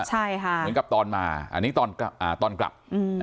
ใช่ค่ะเหมือนกับตอนมาอันนี้ตอนกลับ